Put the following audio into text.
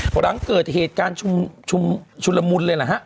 หลังเกิดเหตุการณ์ชุมละมุนเลยล่ะฮะ